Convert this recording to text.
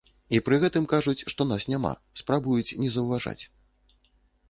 І пры гэтым кажуць, што нас няма, спрабуюць не заўважаць.